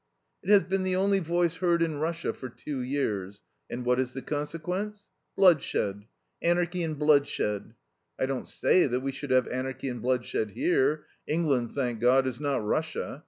"It has been the only voice heard in Russia for two years, and what is the consequence? Bloodshed. Anarchy and bloodshed. I don't say that we should have anarchy and bloodshed here; England, thank God, is not Russia.